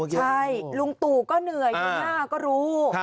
ใช่ลุงตู่ก็เหนื่อยอยู่หน้าก็รู้